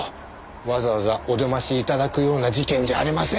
わざわざお出まし頂くような事件じゃありませんよ。